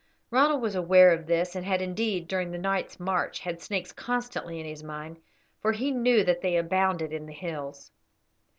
Ronald was aware of this, and had, indeed, during the night's march, had snakes constantly in his mind, for he knew that they abounded in the hills.